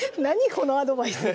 このアドバイス！